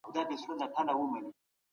د دې مېني اوسېدونکي